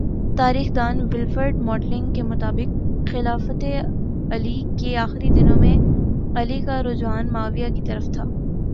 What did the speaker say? تاریخ دان Wilfred modelling کے مطابق خلافتِ علی کے آخری دنوں میں علی کا رجحان معاویہ کی طرف تھا